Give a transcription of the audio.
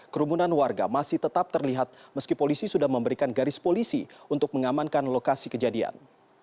kerumunan warga masih tetap terlihat meski polisi sudah memberikan garis polisi untuk mengamankan lokasi kejadian